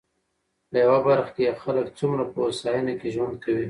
په يوه برخه کې يې خلک څومره په هوساينه کې ژوند کوي.